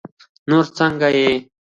نور څنګه يې؟